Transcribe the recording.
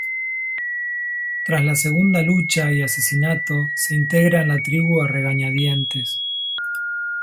Tras la segunda lucha y asesinato, se integra en la tribu a regañadientes.